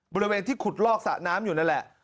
บริเวณที่ขุดลอกสระน้ำอยู่นั่นแหละ